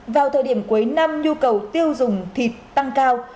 vào thời điểm cuối năm nhu cầu tiêu dùng thịt tăng cao